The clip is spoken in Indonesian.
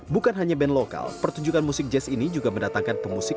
bukan hanya band lokal pertunjukan musik jazz ini juga mendatangkan pemusik